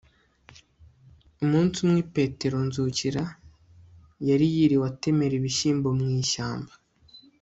umunsi umwe, petero nzukira yari yiriwe atemera ibishyimbo mu ishyamba